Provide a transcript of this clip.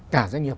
cả doanh nghiệp